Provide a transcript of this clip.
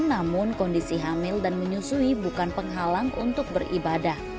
namun kondisi hamil dan menyusui bukan penghalang untuk beribadah